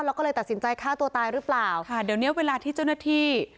แล้วก็เลยตัดสินใจฆ่าตัวตายหรือเปล่าค่ะเดี๋ยวเนี้ยเวลาที่เจ้าหน้าที่